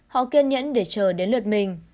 họ kiên nhẫn để chờ đến lượt mình